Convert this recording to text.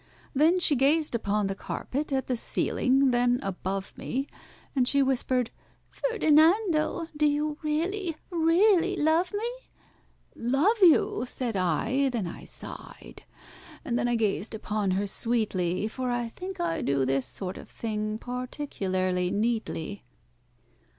Then she gazed upon the carpet, at the ceiling, then above me, And she whispered, "FERDINANDO, do you really, really love me?" "Love you?" said I, then I sighed, and then I gazed upon her sweetly— For I think I do this sort of thing particularly neatly.